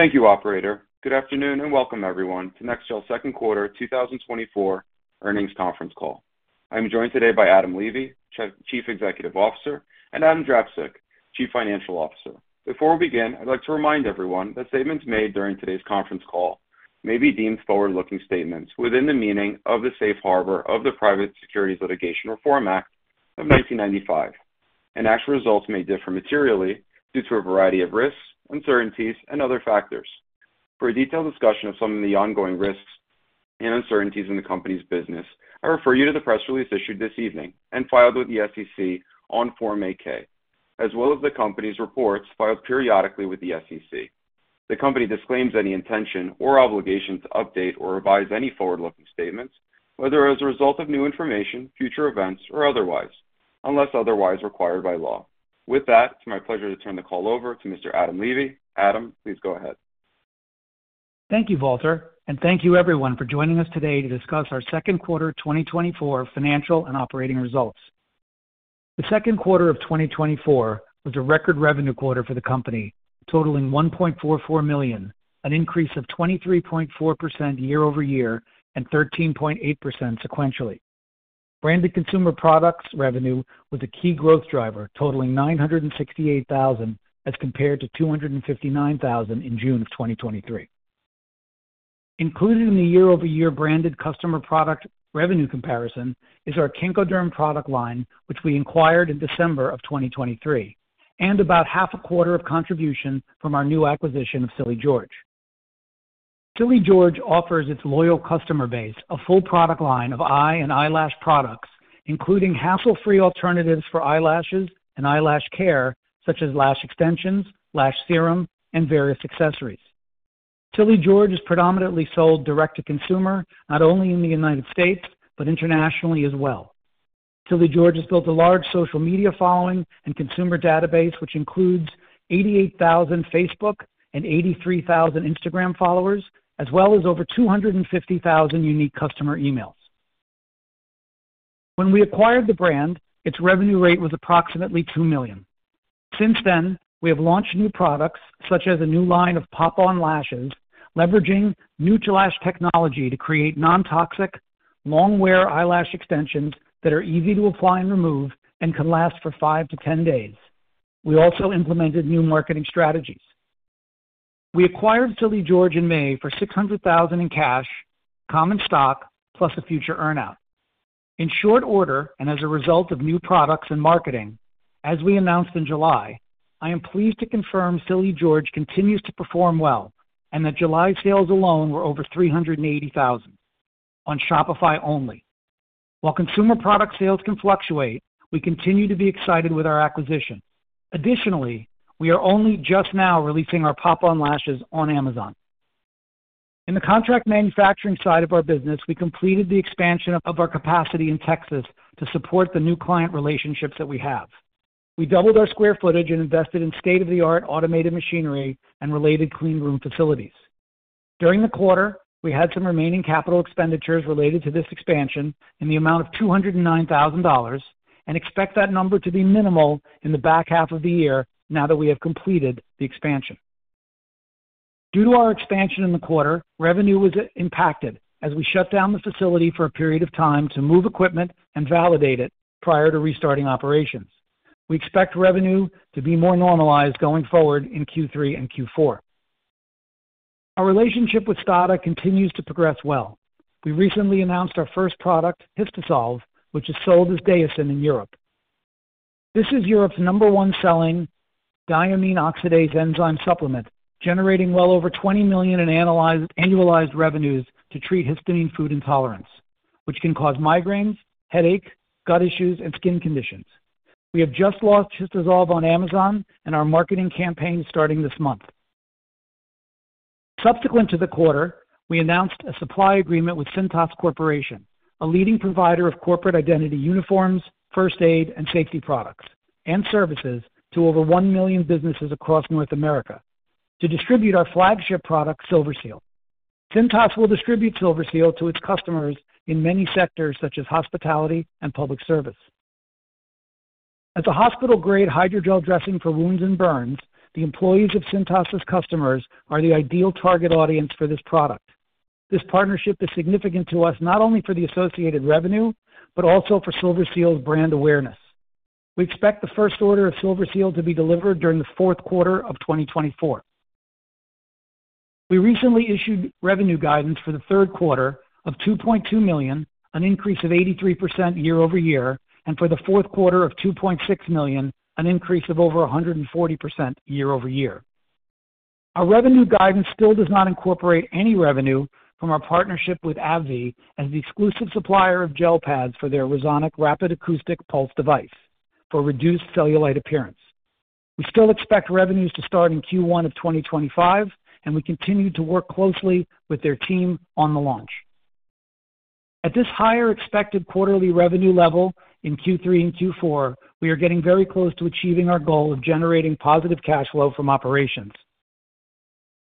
Thank you, operator. Good afternoon, and welcome, everyone, to NEXGEL's Second Quarter, 2024 earnings conference call. I'm joined today by Adam Levy, Chief Executive Officer, and Adam Drapczuk, Chief Financial Officer. Before we begin, I'd like to remind everyone that statements made during today's conference call may be deemed forward-looking statements within the meaning of the safe harbor of the Private Securities Litigation Reform Act of 1995, and actual results may differ materially due to a variety of risks, uncertainties, and other factors. For a detailed discussion of some of the ongoing risks and uncertainties in the company's business, I refer you to the press release issued this evening and filed with the SEC on Form 8-K, as well as the company's reports filed periodically with the SEC. The company disclaims any intention or obligation to update or revise any forward-looking statements, whether as a result of new information, future events, or otherwise, unless otherwise required by law. With that, it's my pleasure to turn the call over to Mr. Adam Levy. Adam, please go ahead. Thank you, alter, and thank you everyone for joining us today to discuss our second quarter, 2024 financial and operating results. The second quarter of 2024 was a record revenue quarter for the company, totaling $1.44 million, an increase of 23.4% year-over-year and 13.8% sequentially. Branded consumer products revenue was a key growth driver, totaling $968,000, as compared to $259,000 in June of 2023. Included in the year-over-year branded customer product revenue comparison is our Kenkoderm product line, which we acquired in December of 2023, and about half a quarter of contribution from our new acquisition of Silly George. Silly George offers its loyal customer base a full product line of eye and eyelash products, including hassle-free alternatives for eyelashes and eyelash care, such as lash extensions, lash serum, and various accessories. Silly George is predominantly sold direct-to-consumer, not only in the United States, but internationally as well. Silly George has built a large social media following and consumer database, which includes 88,000 Facebook and 83,000 Instagram followers, as well as over 250,000 unique customer emails. When we acquired the brand, its revenue rate was approximately $2 million. Since then, we have launched new products, such as a new line of Pop-On lashes, leveraging new lash technology to create non-toxic, long-wear eyelash extensions that are easy to apply and remove and can last for 5-10 days. We also implemented new marketing strategies. We acquired Silly George in May for $600,000 in cash, common stock, plus a future earn-out. In short order, and as a result of new products and marketing, as we announced in July, I am pleased to confirm Silly George continues to perform well and that July sales alone were over $380,000 on Shopify only. While consumer product sales can fluctuate, we continue to be excited with our acquisition. Additionally, we are only just now releasing our Pop-On lashes on Amazon. In the contract manufacturing side of our business, we completed the expansion of our capacity in Texas to support the new client relationships that we have. We doubled our square footage and invested in state-of-the-art automated machinery and related clean room facilities. During the quarter, we had some remaining capital expenditures related to this expansion in the amount of $209,000 and expect that number to be minimal in the back half of the year now that we have completed the expansion. Due to our expansion in the quarter, revenue was impacted as we shut down the facility for a period of time to move equipment and validate it prior to restarting operations. We expect revenue to be more normalized going forward in Q3 and Q4. Our relationship with STADA continues to progress well. We recently announced our first product, Histasolv, which is sold as Daosin in Europe. This is Europe's number one selling diamine oxidase enzyme supplement, generating well over $20 million in annualized revenues to treat histamine food intolerance, which can cause migraines, headache, gut issues, and skin conditions. We have just launched Histasolv on Amazon and our marketing campaign is starting this month. Subsequent to the quarter, we announced a supply agreement with Cintas Corporation, a leading provider of corporate identity uniforms, first aid, and safety products and services to over 1 million businesses across North America, to distribute our flagship product, SilverSeal. Cintas will distribute SilverSeal to its customers in many sectors, such as hospitality and public service. As a hospital-grade hydrogel dressing for wounds and burns, the employees of Cintas' customers are the ideal target audience for this product. This partnership is significant to us, not only for the associated revenue, but also for SilverSeal's brand awareness. We expect the first order of SilverSeal to be delivered during the fourth quarter of 2024. We recently issued revenue guidance for the third quarter of $2.2 million, an increase of 83% year-over-year, and for the fourth quarter of $2.6 million, an increase of over 140% year-over-year. Our revenue guidance still does not incorporate any revenue from our partnership with AbbVie as the exclusive supplier of gel pads for their Resonic rapid acoustic pulse device for reduced cellulite appearance. We still expect revenues to start in Q1 of 2025, and we continue to work closely with their team on the launch. At this higher expected quarterly revenue level in Q3 and Q4, we are getting very close to achieving our goal of generating positive cash flow from operations.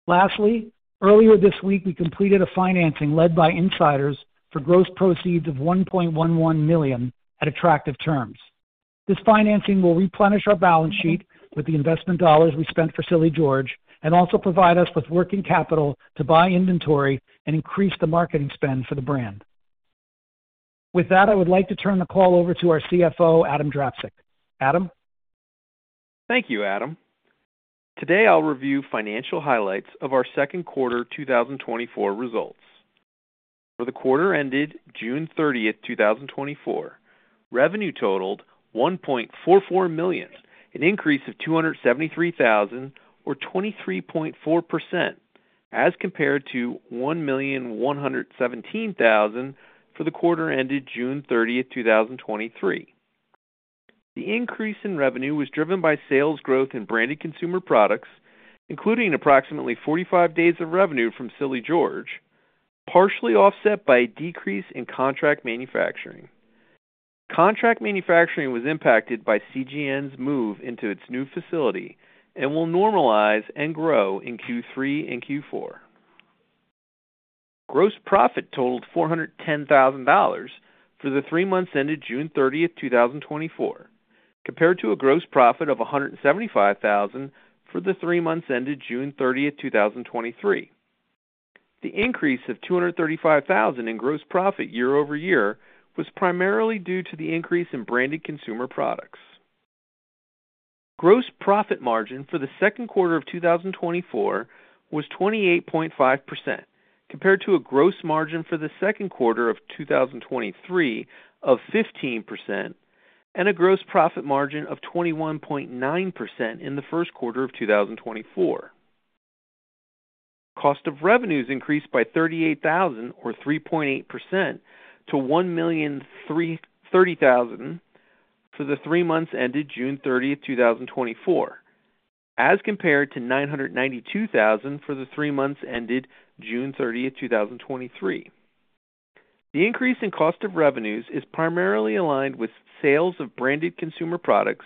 Lastly, earlier this week, we completed a financing led by insiders for gross proceeds of $1.11 million at attractive terms. This financing will replenish our balance sheet with the investment dollars we spent for Silly George and also provide us with working capital to buy inventory and increase the marketing spend for the brand. With that, I would like to turn the call over to our CFO, Adam Drapczuk. Adam? Thank you, Adam. Today I'll review financial highlights of our second quarter, 2024 results. For the quarter ended June 30, 2024, revenue totaled $1.44 million, an increase of $273 thousand or 23.4%, as compared to $1,117 thousand for the quarter ended June 30, 2023. The increase in revenue was driven by sales growth in branded consumer products, including approximately 45 days of revenue from Silly George, partially offset by a decrease in contract manufacturing. Contract manufacturing was impacted by CGN's move into its new facility and will normalize and grow in Q3 and Q4. Gross profit totaled $410,000 for the three months ended June 30, 2024, compared to a gross profit of $175,000 for the three months ended June 30, 2023. The increase of $235,000 in gross profit year-over-year was primarily due to the increase in branded consumer products. Gross profit margin for the second quarter of 2024 was 28.5%, compared to a gross margin for the second quarter of 2023 of 15% and a gross profit margin of 21.9% in the first quarter of 2024. Cost of revenues increased by $38,000 or 3.8% to $1,030,000 for the three months ended June 30, 2024, as compared to $992,000 for the three months ended June 30, 2023. The increase in cost of revenues is primarily aligned with sales of branded consumer products,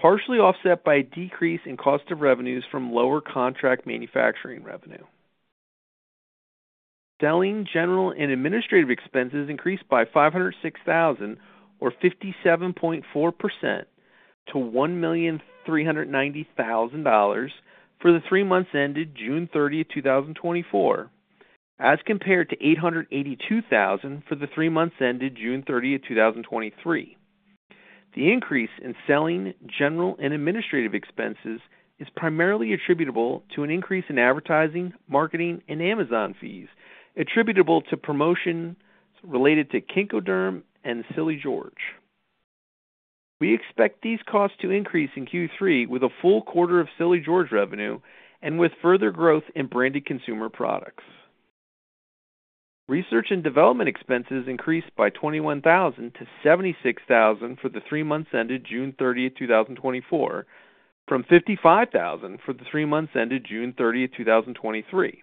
partially offset by a decrease in cost of revenues from lower contract manufacturing revenue. Selling, general and administrative expenses increased by $506,000 or 57.4% to $1,390,000 for the three months ended June 30, 2024, as compared to $882,000 for the three months ended June 30, 2023. The increase in selling, general and administrative expenses is primarily attributable to an increase in advertising, marketing and Amazon fees attributable to promotion related to Kenkoderm and Silly George. We expect these costs to increase in Q3 with a full quarter of Silly George revenue and with further growth in branded consumer products. Research and development expenses increased by $21,000 to $76,000 for the three months ended June 30, 2024, from $55,000 for the three months ended June 30, 2023.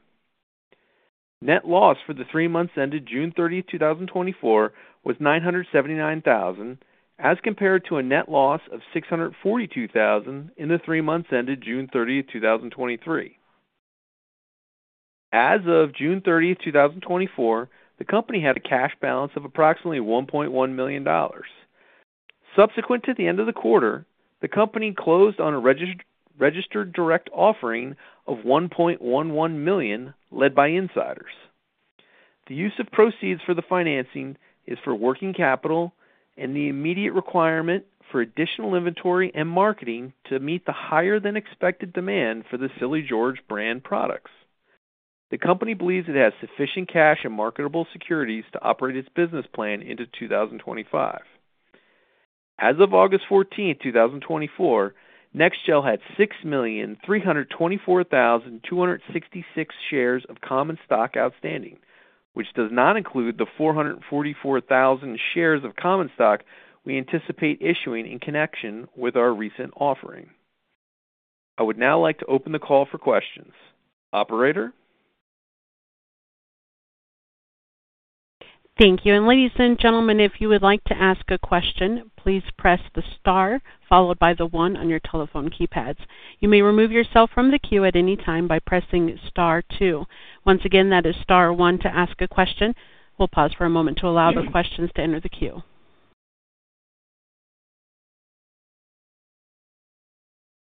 Net loss for the three months ended June 30, 2024, was $979,000, as compared to a net loss of $642,000 in the three months ended June 30, 2023. As of June 30, 2024, the company had a cash balance of approximately $1.1 million. Subsequent to the end of the quarter, the company closed on a registered direct offering of $1.11 million, led by insiders. The use of proceeds for the financing is for working capital and the immediate requirement for additional inventory and marketing to meet the higher than expected demand for the Silly George brand products. The company believes it has sufficient cash and marketable securities to operate its business plan into 2025. As of August 14, 2024, NEXGEL had 6,324,266 shares of common stock outstanding, which does not include the 444,000 shares of common stock we anticipate issuing in connection with our recent offering. I would now like to open the call for questions. Operator? Thank you. Ladies and gentlemen, if you would like to ask a question, please press the star followed by the one on your telephone keypads. You may remove yourself from the queue at any time by pressing star two. Once again, that is star one to ask a question. We'll pause for a moment to allow the questions to enter the queue.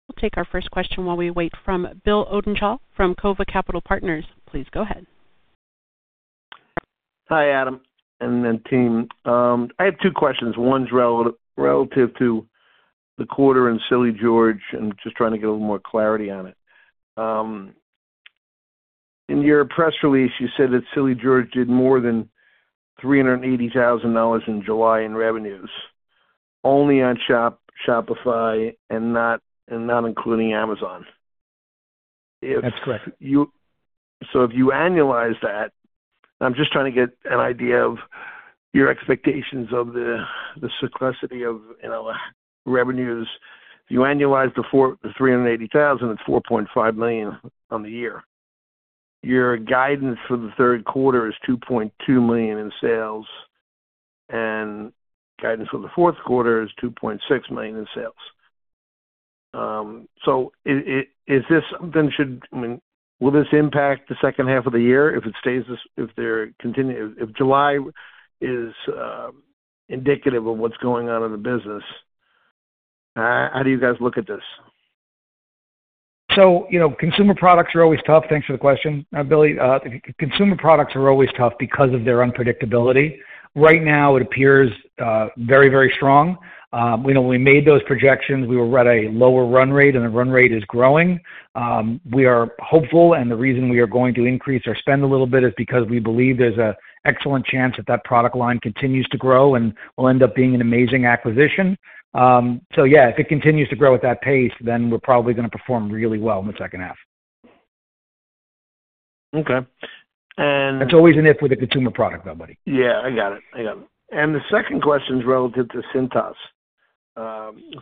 We'll take our first question while we wait from Bill Odenthal from COVA Capital Partners. Please go ahead. Hi, Adam, and then team. I have two questions. One's relative to the quarter and Silly George, and just trying to get a little more clarity on it. In your press release, you said that Silly George did more than $380,000 in revenues in July only on Shopify and not including Amazon. That's correct. So if you annualize that, I'm just trying to get an idea of your expectations of the success of, you know, revenues. If you annualize the $380,000 and $4.5 million on the year, your guidance for the third quarter is $2.2 million in sales, and guidance for the fourth quarter is $2.6 million in sales. So, is this then should, I mean, will this impact the second half of the year if July is indicative of what's going on in the business, how do you guys look at this? So, you know, consumer products are always tough. Thanks for the question, Billy. Consumer products are always tough because of their unpredictability. Right now, it appears very, very strong. We know when we made those projections, we were at a lower run rate, and the run rate is growing. We are hopeful, and the reason we are going to increase our spend a little bit is because we believe there's an excellent chance that that product line continues to grow and will end up being an amazing acquisition. So yeah, if it continues to grow at that pace, then we're probably gonna perform really well in the second half. Okay, and- It's always an if with a consumer product, though, buddy. Yeah, I got it. I got it. And the second question is relative to Cintas.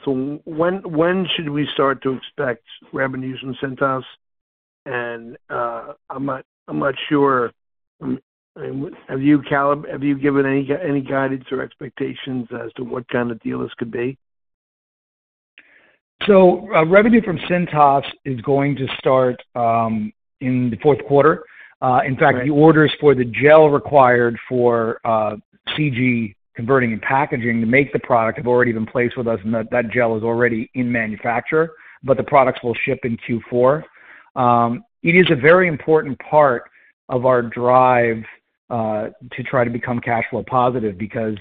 So when, when should we start to expect revenues from Cintas? And, I'm not sure, have you, Cal, have you given any guidance or expectations as to what kind of deal this could be? Revenue from Cintas is going to start in the fourth quarter. In fact- Right... the orders for the gel required for CG, converting and packaging to make the product, have already been placed with us, and that, that gel is already in manufacture, but the products will ship in Q4. It is a very important part of our drive to try to become cash flow positive because,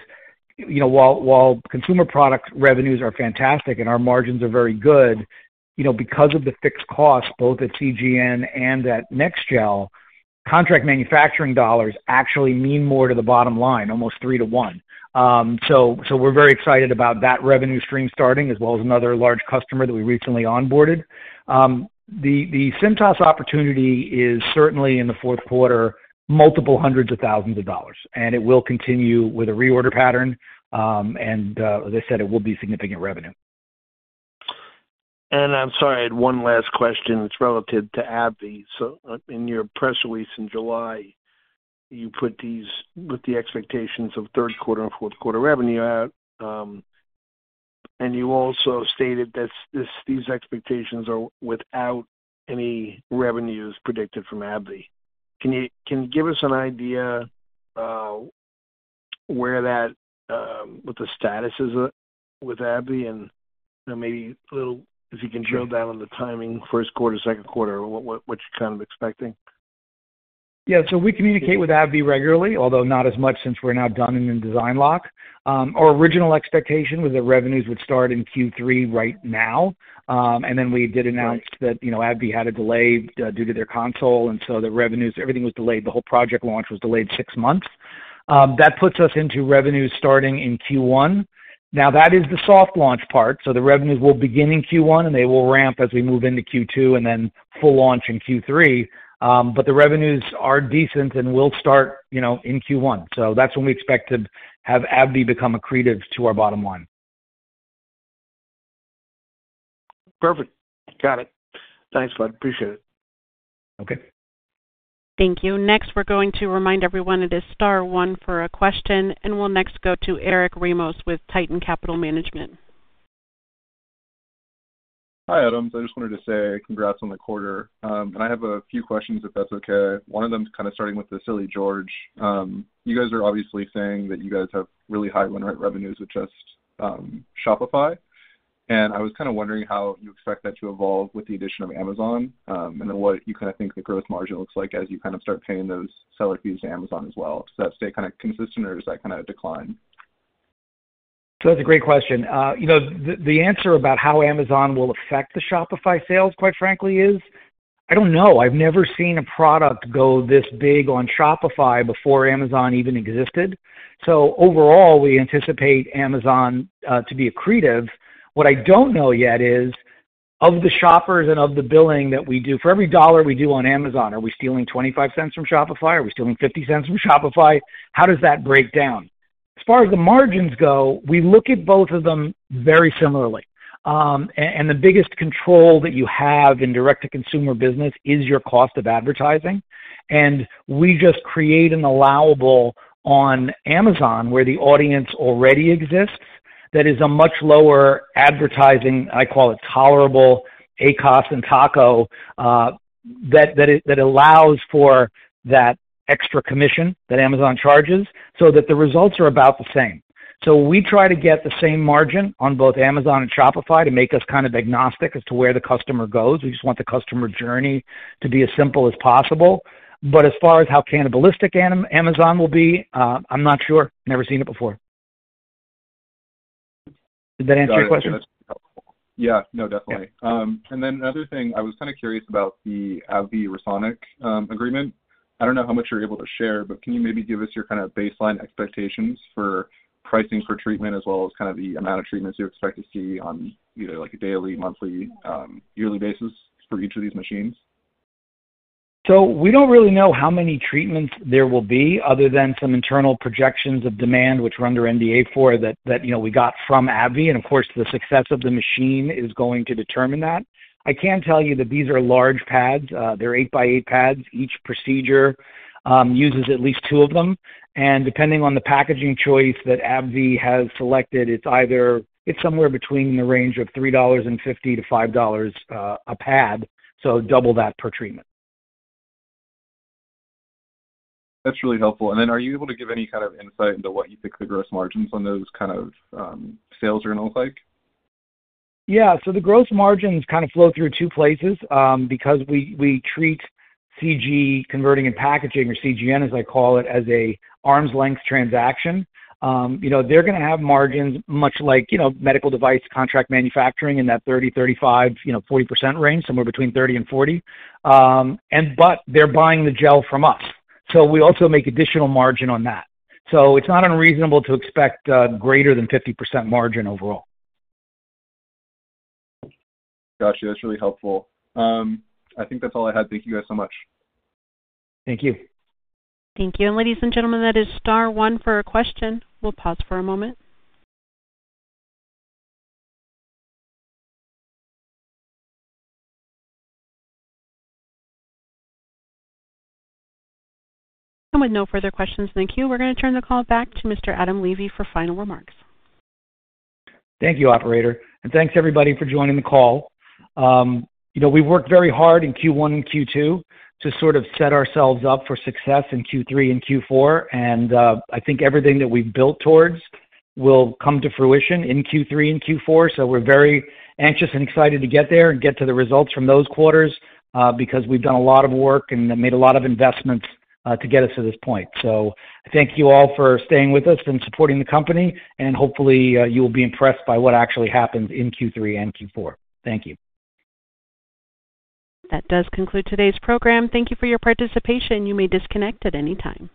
you know, while, while consumer product revenues are fantastic and our margins are very good, you know, because of the fixed costs, both at CGN and at NEXGEL, contract manufacturing dollars actually mean more to the bottom line, almost 3-to-1. So, so we're very excited about that revenue stream starting, as well as another large customer that we recently onboarded. The, the Cintas opportunity is certainly in the fourth quarter, multiple hundreds of thousands of dollars, and it will continue with a reorder pattern. As I said, it will be significant revenue. I'm sorry, I had one last question. It's relative to AbbVie. So, in your press release in July, you put these, with the expectations of third quarter and fourth quarter revenue out, and you also stated that these expectations are without any revenues predicted from AbbVie. Can you give us an idea, where that, what the status is with AbbVie and maybe a little, if you can drill down on the timing, first quarter, second quarter, what you're kind of expecting? Yeah, so we communicate with AbbVie regularly, although not as much since we're now done and in design lock. Our original expectation was that revenues would start in Q3 right now. And then we did announce- Right... that, you know, AbbVie had a delay due to their console, and so the revenues, everything was delayed. The whole project launch was delayed six months. That puts us into revenues starting in Q1. Now, that is the soft launch part, so the revenues will begin in Q1, and they will ramp as we move into Q2, and then full launch in Q3. But the revenues are decent and will start, you know, in Q1. So that's when we expect to have AbbVie become accretive to our bottom line. Perfect. Got it. Thanks, bud. Appreciate it. Okay. Thank you. Next, we're going to remind everyone it is star one for a question, and we'll next go to Eric Ramos with Titan Capital Management. Hi, Adam. I just wanted to say congrats on the quarter. And I have a few questions, if that's okay. One of them is kind of starting with the Silly George. You guys are obviously saying that you guys have really high run rate revenues with just, Shopify, and I was kind of wondering how you expect that to evolve with the addition of Amazon, and then what you kind of think the growth margin looks like as you kind of start paying those seller fees to Amazon as well. Does that stay kind of consistent or does that kind of decline? So that's a great question. You know, the answer about how Amazon will affect the Shopify sales, quite frankly, is I don't know. I've never seen a product go this big on Shopify before Amazon even existed. So overall, we anticipate Amazon to be accretive. What I don't know yet is, of the shoppers and of the billing that we do, for every $1 we do on Amazon, are we stealing $0.25 from Shopify? Are we stealing $0.50 from Shopify? How does that break down? As far as the margins go, we look at both of them very similarly. And the biggest control that you have in direct-to-consumer business is your cost of advertising. And we just create an allowable on Amazon, where the audience already exists, that is a much lower advertising, I call it tolerable, ACoS and TACo, that allows for that extra commission that Amazon charges, so that the results are about the same. So we try to get the same margin on both Amazon and Shopify to make us kind of agnostic as to where the customer goes. We just want the customer journey to be as simple as possible. But as far as how cannibalistic Amazon will be, I'm not sure. Never seen it before. Did that answer your question? Yeah, no, definitely. Yeah. And then another thing, I was kind of curious about the AbbVie RESONIC agreement. I don't know how much you're able to share, but can you maybe give us your kind of baseline expectations for pricing per treatment, as well as kind of the amount of treatments you expect to see on, you know, like a daily, monthly, yearly basis for each of these machines? So we don't really know how many treatments there will be other than some internal projections of demand, which we're under NDA for, that you know we got from AbbVie, and of course, the success of the machine is going to determine that. I can tell you that these are large pads. They're 8 by 8 pads. Each procedure uses at least two of them, and depending on the packaging choice that AbbVie has selected, it's either. It's somewhere between the range of $3.50-$5 a pad, so double that per treatment. ... That's really helpful. And then are you able to give any kind of insight into what you think the gross margins on those kind of sales are going to look like? Yeah, so the gross margins kind of flow through two places, because we treat CG converting and packaging, or CGN, as I call it, as an arm's length transaction. You know, they're gonna have margins much like, you know, medical device contract manufacturing in that 30, 35, you know, 40% range, somewhere between 30 and 40. And but they're buying the gel from us, so we also make additional margin on that. So it's not unreasonable to expect, greater than 50% margin overall. Got you. That's really helpful. I think that's all I had. Thank you guys so much. Thank you. Thank you. Ladies and gentlemen, that is star one for a question. We'll pause for a moment. With no further questions, thank you. We're going to turn the call back to Mr. Adam Levy for final remarks. Thank you, operator, and thanks everybody for joining the call. You know, we've worked very hard in Q1 and Q2 to sort of set ourselves up for success in Q3 and Q4, and I think everything that we've built towards will come to fruition in Q3 and Q4. So we're very anxious and excited to get there and get to the results from those quarters, because we've done a lot of work and made a lot of investments to get us to this point. So thank you all for staying with us and supporting the company, and hopefully you will be impressed by what actually happens in Q3 and Q4. Thank you. That does conclude today's program. Thank you for your participation. You may disconnect at any time.